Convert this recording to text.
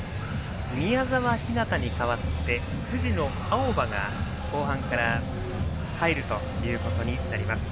宮澤ひなたに代わって藤野あおばが後半から入ることになります。